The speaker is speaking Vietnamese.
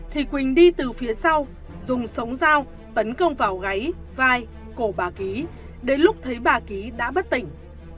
thì quỳnh đi từ phía sau dùng súng dao tấn công vào gáy vai cổ bà ký đến lúc thấy bà ký đã bất tỉnh